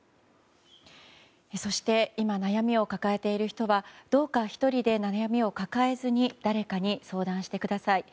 そして今、悩みを抱えている人はどうか１人で悩みを抱えずに誰かに相談してください。